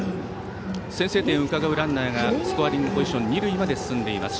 先制点をうかがうランナーがスコアリングポジション二塁まで進んでいます。